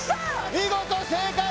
見事正解！